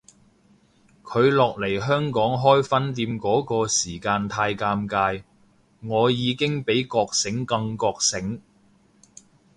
佢落嚟香港開分店嗰個時間太尷尬，我已經比覺醒更覺醒